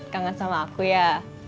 kangen sama aku ya